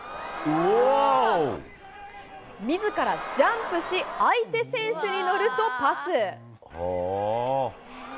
みずからジャンプし、相手選手に乗るとパス。